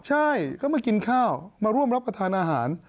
ใช่ก็มากินข้าวมาร่วมรับประทานอาหาร